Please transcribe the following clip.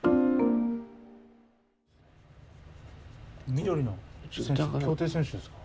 緑の競艇選手ですか？